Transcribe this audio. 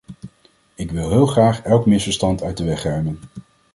Ik wil heel graag elk misverstand uit de weg ruimen.